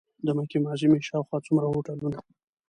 د مکې معظمې شاوخوا څومره هوټلونه.